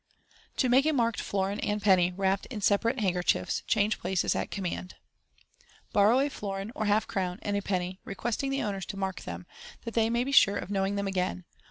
To MAKE A MARKED FLORIN AND PENNY, WRAPPED IN SEPA RATE Handkerchiefs, change places at command. — Borrow a florin (or half crown) and a penny, requesting the owners to mark them, that they may be sure of knowing them again.